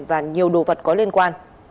và nhiều đồ vật có liên quan